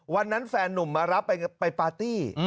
วันนั้นแฟนหนุ่มมารับไปปาร์ตี้